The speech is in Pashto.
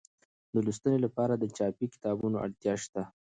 د لوستنې لپاره د چاپي کتابونو اړتیا شته.